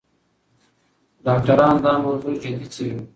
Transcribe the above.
ډاکټران دا موضوع جدي څېړي.